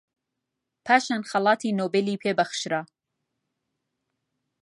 پاشان خەڵاتی نۆبێلی پێ بەخشرا